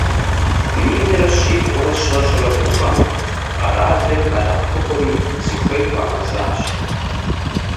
Минрэ щибгъурэ щэщӏрэ тӏу гъэм къэралыр къадэӏэпыкъури, зыхуей хуагъэзащ.